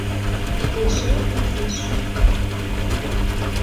Эше изиш...